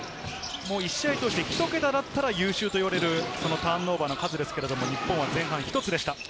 １試合でひと桁だったら優秀といわれるターンオーバーの数ですけど、日本は前回１つでした。